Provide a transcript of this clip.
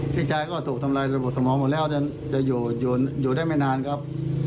พี่ชายก็ถูกทำลายระบบสมองหมดแล้วจะอยู่ได้ไม่นานครับ